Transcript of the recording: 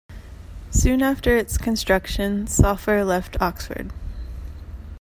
Soon after its construction Soffer left Oxford.